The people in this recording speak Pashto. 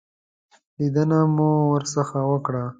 لیدنه مو ورڅخه وکړه.